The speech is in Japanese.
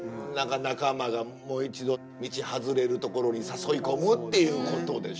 仲間がもう一度道外れるところに誘い込むっていうことでしょ。